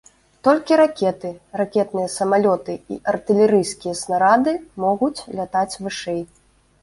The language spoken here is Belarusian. Толькі ракеты, ракетныя самалёты і артылерыйскія снарады могуць лятаць вышэй.